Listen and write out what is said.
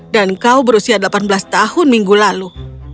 dan kau berusia delapan belas tahun minggu lalu